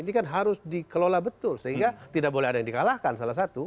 ini kan harus dikelola betul sehingga tidak boleh ada yang dikalahkan salah satu